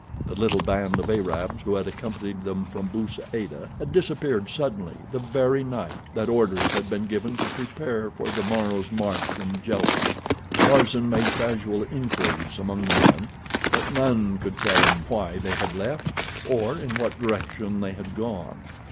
The little band of Arabs who had accompanied them from Bou Saada had disappeared suddenly the very night that orders had been given to prepare for the morrow's march from Djelfa. Tarzan made casual inquiries among the men, but none could tell him why they had left, or in what direction they had gone.